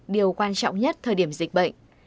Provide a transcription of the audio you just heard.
điều quan trọng nhất thời điểm dịch bệnh